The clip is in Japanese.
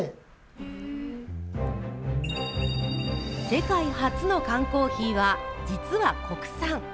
世界初の缶コーヒーは、実は国産。